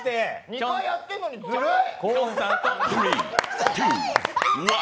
２回やってんのにずるい！